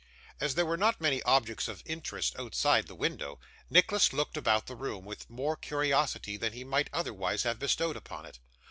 As there were not many objects of interest outside the window, Nicholas looked about the room with more curiosity than he might otherwise have bestowed upon it.